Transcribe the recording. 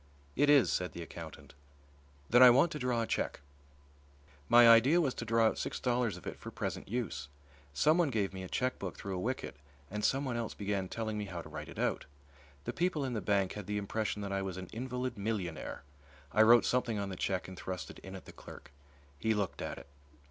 "It is," said the accountant. "Then I want to draw a cheque." My idea was to draw out six dollars of it for present use. Someone gave me a chequebook through a wicket and someone else began telling me how to write it out. The people in the bank had the impression that I was an invalid millionaire. I wrote something on the cheque and thrust it in at the clerk. He looked at it.